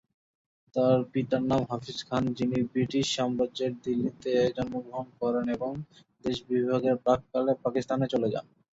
তার পিতার নাম হাফিজ খান যিনি ব্রিটিশ সাম্রাজ্যের দিল্লীতে জন্মগ্রহণ করেন এবং দেশ বিভাগের প্রাক্কালে পাকিস্তানে চলে যান।